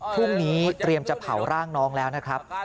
พรุ่งนี้เตรียมจะเผาร่างน้องแล้วนะครับ